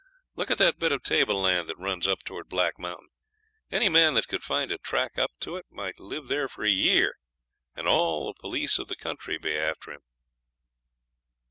Look at that bit of tableland that runs up towards Black Mountain, any man that could find a track up to it might live there for a year and all the police of the country be after him.'